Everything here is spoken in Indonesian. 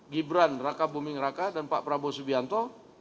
gibran raka buming raka dan pak prabowo subianto